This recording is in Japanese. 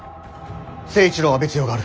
成一郎は別用がある。